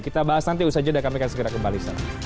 kita bahas nanti usaha jeda kami akan segera kembali